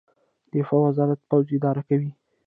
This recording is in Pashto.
دفاع وزارت پوځ اداره کوي